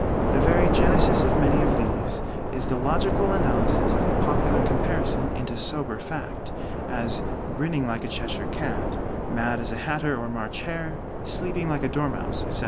The very genesis of many of these is the logical analysis of a popular comparison into sober fact, as "grinning like a Cheshire cat," "mad as a hatter" or "March hare," "sleeping like a dormouse," etc.